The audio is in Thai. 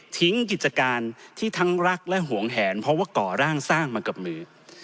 กิจการที่ทั้งรักและห่วงแหนเพราะว่าก่อร่างสร้างมากับมือ